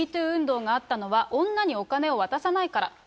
運動があったのは、女にお金を渡さないから。